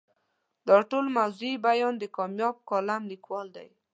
دا ټول موضوعي بیان د کامیاب کالم لیکوال دی.